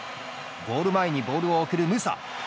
ゴール前にボールを送るムサ。